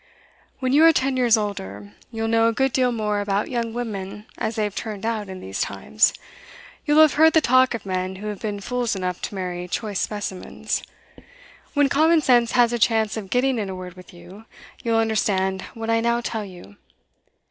'When you are ten years older, you'll know a good deal more about young women as they're turned out in these times. You'll have heard the talk of men who have been fools enough to marry choice specimens. When common sense has a chance of getting in a word with you, you'll understand what I now tell you.